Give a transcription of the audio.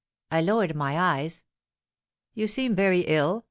I lowered my eyes. 'You seem very ill?'